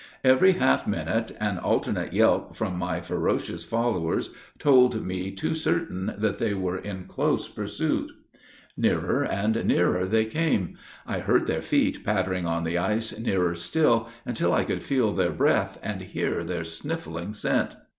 Every half minute, an alternate yelp from my ferocious followers, told me too certain that they were in close pursuit. Nearer and nearer they came; I heard their feet pattering on the ice nearer still, until I could feel their breath, and hear their sniffling scent.